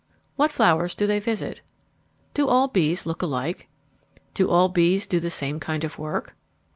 _ What flowers do they visit? _Do all bees look alike? Do all bees do the same kind of work?